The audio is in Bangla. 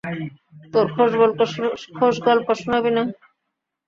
তোর খোশগল্প শুনাবি না।